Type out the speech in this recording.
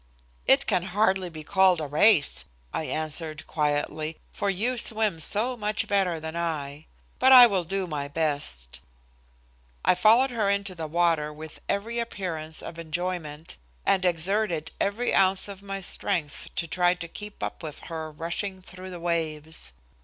"It can hardly be called a race," I answered quietly, "for you swim so much better than I, but I will do my best." I followed her into the water with every appearance of enjoyment, and exerted every ounce of my strength to try to keep up with her rush through the waves.